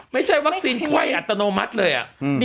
ไม่ใช่วัคซีนไข้อัตโนมัติเลย